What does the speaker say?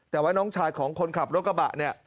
แต่ว่าน้องชายของคนขับรถกระบะเนี่ย